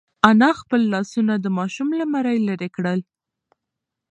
انا خپل لاسونه د ماشوم له مرۍ لرې کړل.